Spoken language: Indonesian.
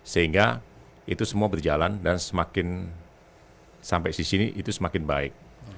sehingga itu semua berjalan dan semakin sampai di sini itu semakin baik